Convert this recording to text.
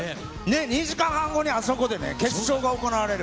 ２時間半後にあそこでね、決勝が行われる。